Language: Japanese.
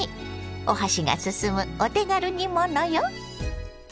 お箸が進むお手軽煮物よ。